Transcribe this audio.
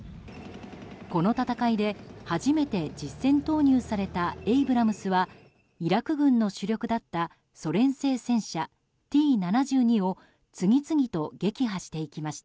この戦いで初めて実戦投入されたエイブラムスはイラク軍の主力だったソ連製戦車Ｔ７２を次々と撃破していきました。